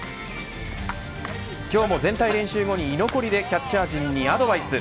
今日も全体練習後に居残りでキャッチャー陣にアドバイス。